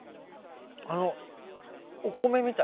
あのお米みたい。